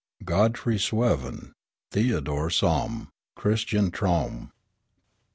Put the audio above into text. Godfrey Sweven, Theodore Somm, Christian Trowm.